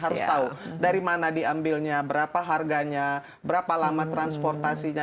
harus tahu dari mana diambilnya berapa harganya berapa lama transportasinya